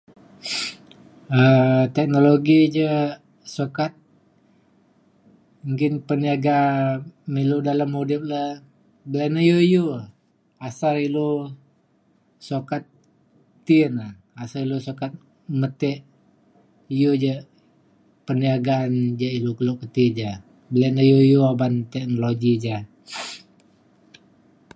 um teknologi ja sukat nggin peniaga me ilu dalem udip le be’un iu iu e asal ilu sukat ti na asa ilu sukat metek iu ja peniaga ja ilu kelo ke ti ja. be’un iu iu uban metek teknologi ja.